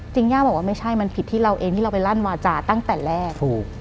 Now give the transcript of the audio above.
ย่าบอกว่าไม่ใช่มันผิดที่เราเองที่เราไปลั่นวาจาตั้งแต่แรกถูก